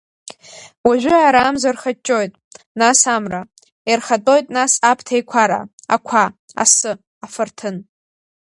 Уажәы ара амза рхаҷҷоит, нас амра, ирхатәоит нас аԥҭеиқәара, ақәа, асы, афырҭын…